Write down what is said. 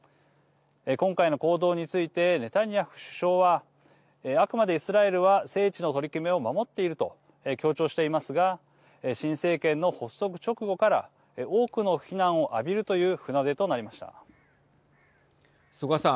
今回の行動についてネタニヤフ首相はあくまでイスラエルは聖地の取り決めを守っていると強調していますが新政権の発足直後から多くの非難を浴びるという曽我さん。